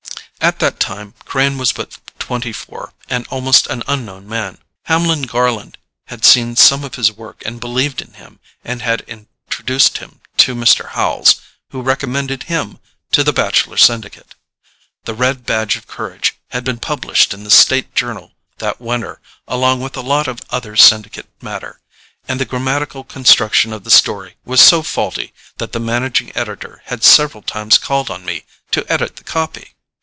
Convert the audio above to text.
At that time Crane was but twenty four, and almost an unknown man. Hamlin Garland had seen some of his work and believed in him, and had introduced him to Mr. Howells, who recommended him to the Bacheller Syndicate. "The Red Badge of Courage" had been published in the State Journal that winter along with a lot of other syndicate matter, and the grammatical construction of the story was so faulty that the managing editor had several times called on me to edit the copy.